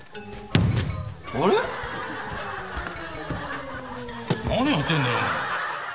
あれっ⁉何やってんだよ？